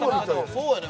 そうやね